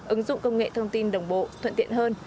ứng dụng công nghệ thông tin đồng bộ thuận tiện hơn